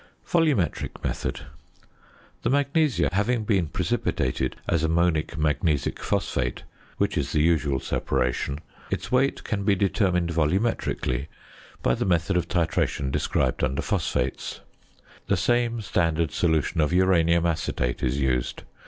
VOLUMETRIC METHOD. The magnesia having been precipitated as ammonic magnesic phosphate, which is the usual separation, its weight can be determined volumetrically by the method of titration described under Phosphates. The same standard solution of uranium acetate is used.